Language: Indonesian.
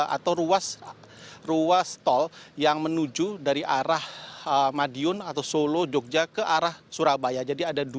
atau ruas tol yang menuju dari arah madiun atau solo jogja ke arah surabaya